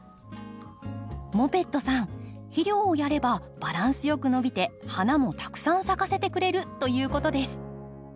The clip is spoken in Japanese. モペットさん肥料をやればバランスよく伸びて花もたくさん咲かせてくれるということです。